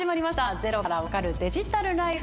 『ゼロから分かるデジタルライフ』。